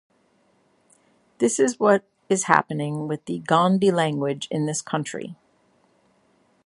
This is what is happening with the Gondi language in this country.